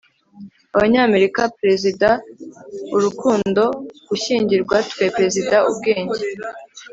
abanyamerikaabaperezida urukundo gushyingirwa tweperezida ubwenge